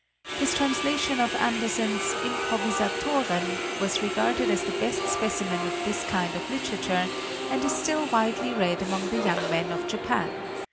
His translation of Andersen's "Improvisatoren" was re garded as the best specimen of this kind of literature, and is still widely read among the young men of Japan.